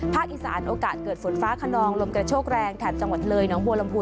อีสานโอกาสเกิดฝนฟ้าขนองลมกระโชกแรงแถบจังหวัดเลยน้องบัวลำพู